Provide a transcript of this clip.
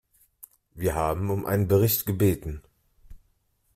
Wir haben um einen Bericht gebeten.